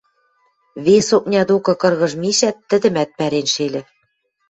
Вес окня докы кыргыж мишӓт, тӹдӹмӓт пӓрен шельӹ.